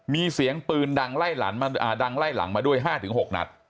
มีเสียงปืนดังไล่ดังไล่หลังมาด้วย๕๖นัด